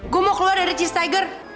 gue mau keluar dari cheese tiger